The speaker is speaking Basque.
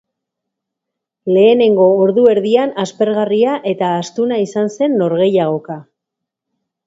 Lehenengo ordu erdian aspergarria eta astuna izan zen norgehiagoka.